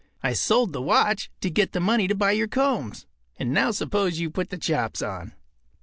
I sold the watch to get the money to buy your combs. And now suppose you put the chops on.